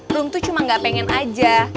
room tuh cuma gak pengen aja